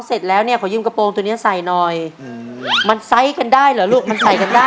อ๋ออยากใส่ชุดค่ะอยากใส่ชุดค่ะอ๋ออยากใส่ชุดค่ะอ๋ออยากใส่ชุดค่ะ